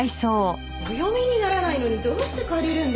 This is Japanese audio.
お読みにならないのにどうして借りるんです？